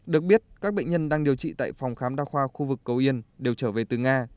được biết các bệnh nhân đang điều trị tại phòng khám đa khoa khu vực cầu yên đều trở về từ nga